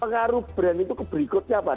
pengaruh brand itu ke berikutnya apa